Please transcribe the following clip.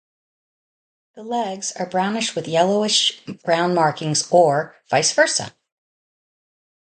The legs are brownish with yellowish brown markings or vice versa.